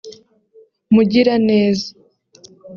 Mugiraneza